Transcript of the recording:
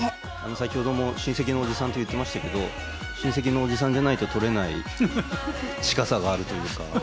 先ほども親戚のおじさんと言ってましたけれども、親戚のおじさんじゃないと撮れない近さがあるというか。